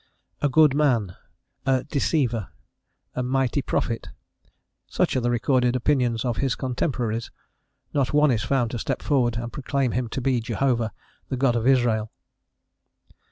A "good man," a "deceiver," a "mighty prophet," such are the recorded opinions of his contemporaries: not one is found to step forward and proclaim him to be Jehovah, the God of Israel.